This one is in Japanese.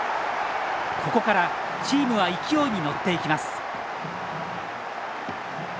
ここからチームは勢いに乗っていきます。